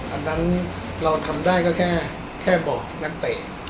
อันนั้นเราทำได้ก็แค่บอกนักเตะ